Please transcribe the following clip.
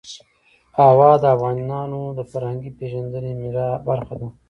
هوا د افغانانو د فرهنګي پیژندنې برخه ده.